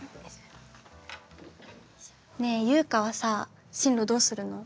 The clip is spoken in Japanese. ねえゆうかはさ進路どうするの？